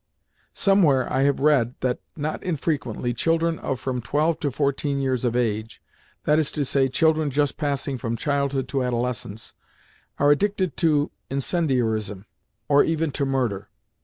Some where I have read that, not infrequently, children of from twelve to fourteen years of age—that is to say, children just passing from childhood to adolescence—are addicted to incendiarism, or even to murder.